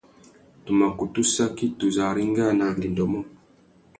Tu mà kutu saki tu zu arengāna angüêndô mô.